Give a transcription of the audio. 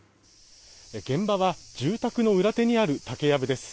現場は住宅の裏手にある竹藪です。